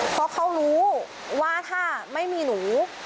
เพราะเขารู้ว่าถ้าไม่มีหนู